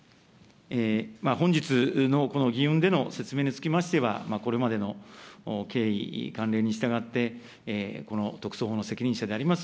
本日のこの議運での説明につきましては、これまでの経緯、慣例に従って、この特措法の責任者であります